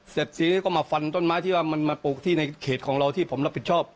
เสร็จทีนี้ก็มาฟันต้นไม้ที่ว่ามันมาปลูกที่ในเขตของเราที่ผมรับผิดชอบ